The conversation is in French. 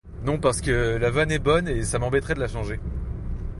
Non parce que la vanne est bonne, et ça m’embêterait de la changer.